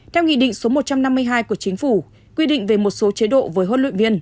theo nghị định số một trăm năm mươi hai của chính phủ quy định về một số chế độ với huấn luyện viên